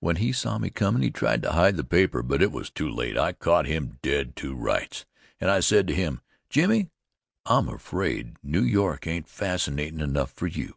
When he saw me comm' he tried to hide the paper, but it was too late. I caught him dead to rights, and I said to him: "Jimmy, I'm afraid New York ain't fascinatin' enough for you.